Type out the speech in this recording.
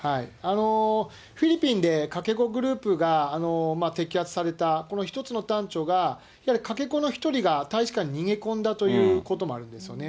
フィリピンでかけ子グループが摘発された、この一つの端緒が、かけ子の一人が大使館に逃げ込んだということもあるんですよね。